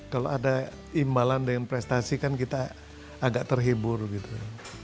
kalau ada imbalan dengan prestasi kan kita agak terhibur gitu